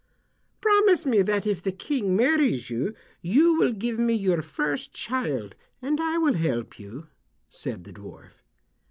"Promise me that if the King marries you, you will give me your first child, and I will help you," said the dwarf.